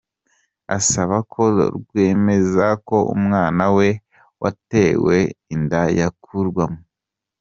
asaba ko rwemeza ko umwana we watewe inda yakurwamo.